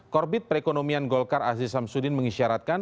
korbit perekonomian golkar aziz samsudin mengisyaratkan